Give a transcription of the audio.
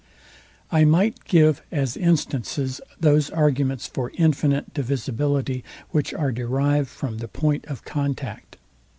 I might give as instances those arguments for infinite divisibility, which are derived from the point of contact.